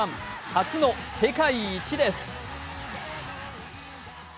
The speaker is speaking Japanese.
初の世界一です。